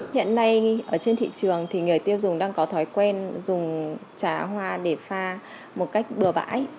hiện nay ở trên thị trường thì người tiêu dùng đang có thói quen dùng trà hoa để pha một cách bừa bãi